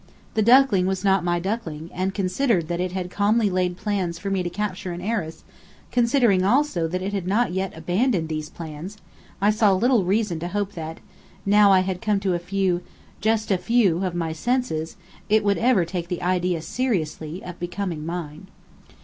The duckling was not my duckling: and considering that it had calmly laid plans for me to capture an heiress, considering also that it had not yet abandoned these plans, I saw little reason to hope that, now I had come to a few just a few of my senses it would ever take the idea seriously, of becoming mine.